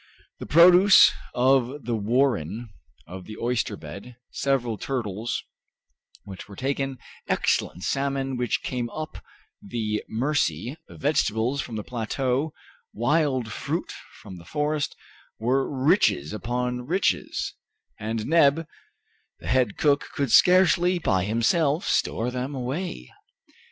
The produce of the warren, of the oyster bed, several turtles which were taken, excellent salmon which came up the Mercy, vegetables from the plateau, wild fruit from the forest, were riches upon riches, and Neb, the head cook, could scarcely by himself store them away.